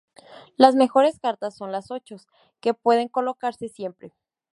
Las mejores cartas son los ochos, que pueden colocarse siempre.